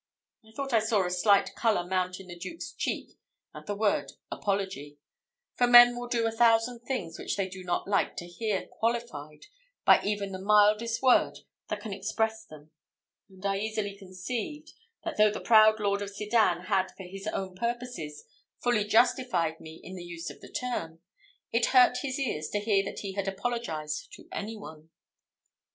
I thought I saw a slight colour mount in the Duke's cheek at the word apology; for men will do a thousand things which they do not like to hear qualified by even the mildest word that can express them; and I easily conceived, that though the proud lord of Sedan had for his own purposes fully justified me in the use of the term, it hurt his ears to hear that he had apologised to any one.